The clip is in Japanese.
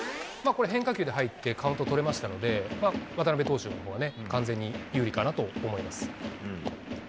これ変化球で入ってカウントとれましたので渡邉投手のほうが完全に有利かと思います。